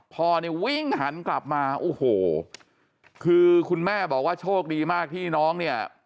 พ่อเนี่ยวิ่งหันกลับมาโอ้โหคือคุณแม่บอกว่าโชคดีมากที่น้องเนี่ย